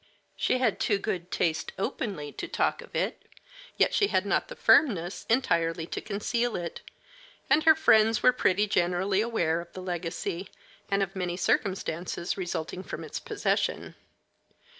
She had too good taste openly to talk of it, yet she had not the firmness entirely to conceal it; and her friends were pretty generally aware of the legacy and of many circumstances resulting from its possession.